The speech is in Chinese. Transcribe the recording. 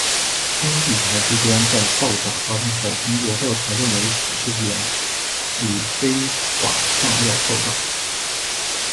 当地检察机关在爆炸发生后经过调查认为此事件系非法炸药爆炸。